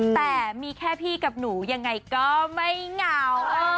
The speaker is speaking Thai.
แต่มีแค่พี่กับหนูยังไงก็ไม่เหงา